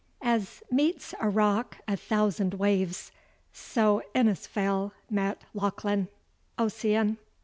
As meets a rock a thousand waves, so Inisfail met Lochlin. OSSIAN.